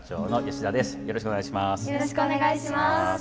よろしくお願いします。